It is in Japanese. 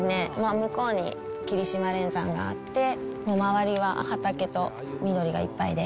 向こうに霧島連山があって、周りは畑と緑がいっぱいで。